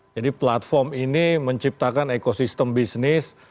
jadi platform ini menciptakan ekosistem bisnis